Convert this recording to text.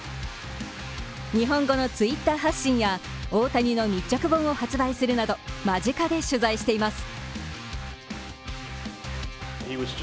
日本語のＴｗｉｔｔｅｒ発信や、大谷の密着本を発売するなど間近で取材しています。